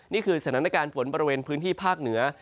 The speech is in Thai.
นี่คือสถานการณ์ฝนบริเวณพื้นที่ภาคเหนือ